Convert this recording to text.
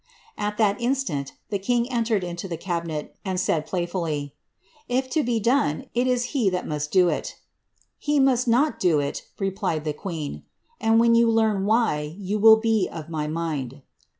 At that instant, the king entered into the cabinet, and said, playfully, ^ If to be done, it is he Uiat must do iL ^ He must not do it," replied the queen ;^ and when yon learn why, you will be of my mind."